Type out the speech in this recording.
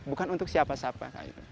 bukan untuk siapa siapa